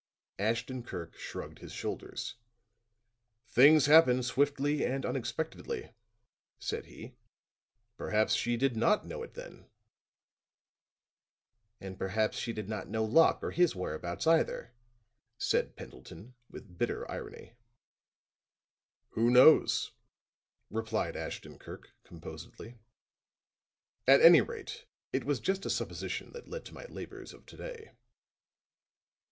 Ashton Kirk shrugged his shoulders. "Things happen swiftly and unexpectedly," said he. "Perhaps she did not know it then." "And perhaps she did not know Locke or his whereabouts, either," said Pendleton, with bitter irony. "Who knows?" replied Ashton Kirk, composedly. "At any rate, it was just a supposition that led to my labors of to day."